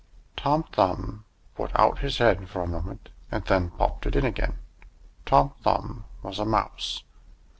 Tom Thumb put out his head for a moment, and then popped it in again. Tom Thumb was a mouse.